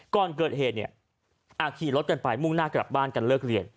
ก่อนเกิดเหตุเนี่ยขี่รถกันไปมุ่งหน้ากลับบ้านกันเลิกเรียน